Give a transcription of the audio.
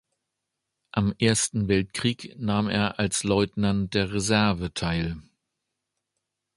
Am Ersten Weltkrieg nahm er als Leutnant der Reserve teil.